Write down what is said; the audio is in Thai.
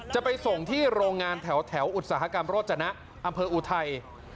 จะไปส่งที่โรงงานแถวอุตสาหกรรมโรจนะอำเภออุทัย